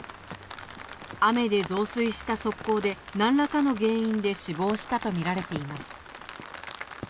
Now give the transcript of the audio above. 雨で増水した側溝で何らかの原因で死亡したとみられています。